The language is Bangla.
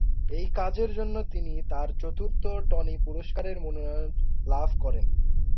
এই কাজের জন্য তিনি তার চতুর্থ টনি পুরস্কারের মনোনয়ন লাভ করেন।